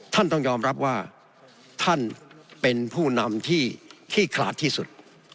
ท่านต้องยอมรับว่าท่านเป็นผู้นำที่ขี้ขลาดที่สุด